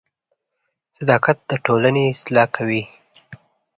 • صداقت د ټولنې اصلاح کوي.